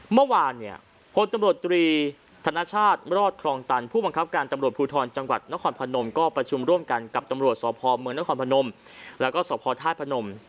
เมื่อวานเนี่ยพลตำรวจตรีธนชาติรอดครองตันผู้บังคับการตำรวจภูทรจังหวัดนครพนมก็ประชุมร่วมกันกับตำรวจสพเมืองนครพนมแล้วก็สพธาตุพนม